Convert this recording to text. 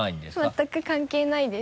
全く関係ないです。